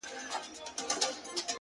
هغه به زما له سترگو!